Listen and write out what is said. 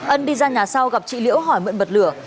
ân đi ra nhà sau gặp chị liễu hỏi mượn bật lửa